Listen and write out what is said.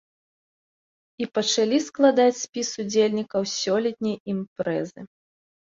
І пачалі складаць спіс удзельнікаў сёлетняй імпрэзы.